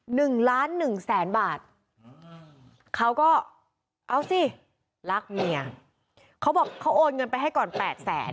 หนึ่งล้านหนึ่งแสนบาทเขาก็เอาสิรักเมียเขาบอกเขาโอนเงินไปให้ก่อนแปดแสน